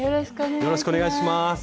よろしくお願いします。